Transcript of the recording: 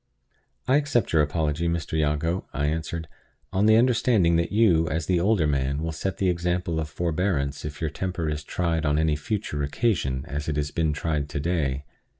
"I accept your apology, Mr. Jago," I answered, "on the understanding that you, as the older man, will set the example of forbearance if your temper is tried on any future occasion as it has been tried today.